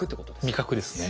味覚ですね。